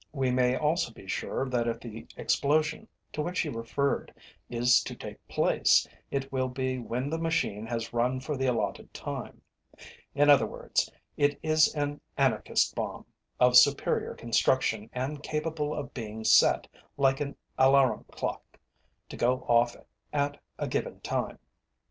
We may also be sure that if the explosion to which he referred is to take place, it will be when the machine has run for the allotted time. In other words, it is an anarchist bomb, of superior construction and capable of being set, like an alarum clock, to go off at a given time.